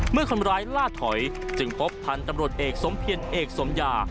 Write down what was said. เมื่อคนร้ายล่าถอยจึงพบพันธุ์ตำรวจเอกสมเพียรเอกสมยา